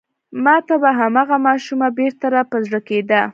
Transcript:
ما ته به هماغه ماشومه بېرته را په زړه کېده.